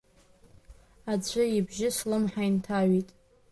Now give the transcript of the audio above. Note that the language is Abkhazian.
Аӡәы ибжьы слымҳа инҭаҩит.